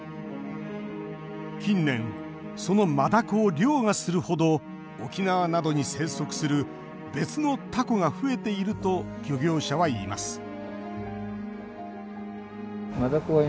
近年、そのマダコをりょうがするほど沖縄などに生息する別のタコが増えていると漁業者は言います